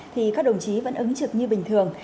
thì các đồng chí vẫn ứng trực như bình thường